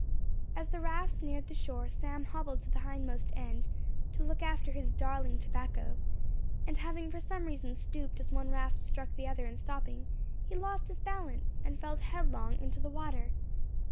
As the rafts neared the shore, Sam hobbled to the hindmost end, to look after his darling tobacco, and having for some reason stooped as one raft struck the other in stopping, he lost his balance, and fell headlong into the water.